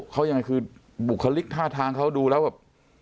เขายังไงคือบุคลิกท่าทางเขาดูแล้วแบบ